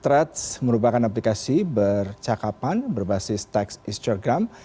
threads merupakan aplikasi bercakapan berbasis text instagram